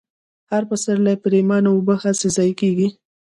هر پسرلۍ پرېمانه اوبه هسې ضايع كېږي،